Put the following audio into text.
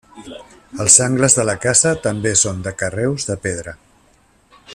Els angles de la casa també són de carreus de pedra.